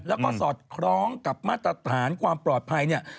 แล้วก็สอดคล้องกับมาตรฐานความปลอดภัยเนี่ย